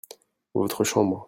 votre chambre.